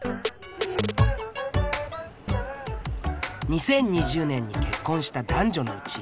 ２０２０年に結婚した男女のうち